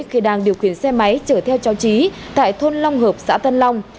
khi đang điều khiển xe máy chở theo cháu trí tại thôn long hợp xã tân long